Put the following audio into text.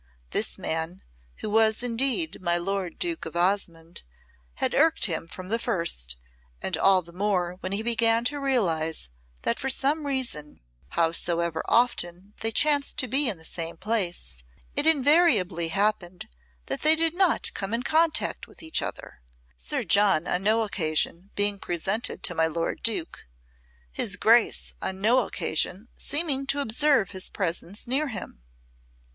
This man, who was indeed my Lord Duke of Osmonde, had irked him from the first, and all the more when he began to realise that for some reason, howsoever often they chanced to be in the same place, it invariably happened that they did not come in contact with each other, Sir John on no occasion being presented to my lord Duke, his Grace on no occasion seeming to observe his presence near him.